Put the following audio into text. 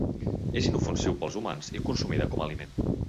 És inofensiu per als humans i consumida com a aliment.